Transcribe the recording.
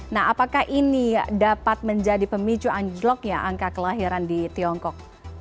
nah apakah ini dapat menjadi pemicu anjloknya angka kelahiran di tiongkok